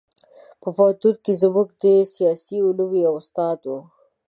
په پوهنتون کې زموږ د سیاسي علومو یو استاد و.